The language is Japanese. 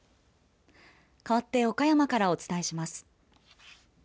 かわって岡山からお伝えします。